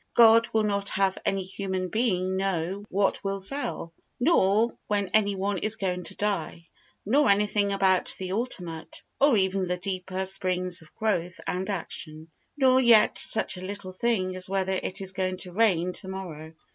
God will not have any human being know what will sell, nor when any one is going to die, nor anything about the ultimate, or even the deeper, springs of growth and action, nor yet such a little thing as whether it is going to rain to morrow.